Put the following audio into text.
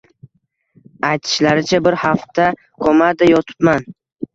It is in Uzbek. Aytishlaricha, bir hafta komada yotibman